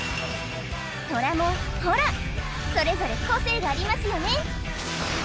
トラもほらそれぞれ個性がありますよね